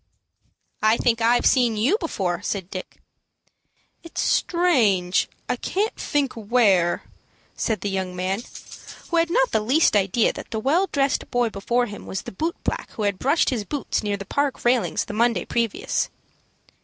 "I think I've seen you before," said Dick. "It's strange I can't think where," said the young man, who had not the least idea that the well dressed boy before him was the boot black who had brushed his boots near the Park railings the Monday previous.